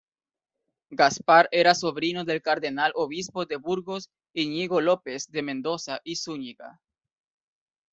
Gaspar era sobrino del cardenal obispo de Burgos Iñigo López de Mendoza y Zúñiga.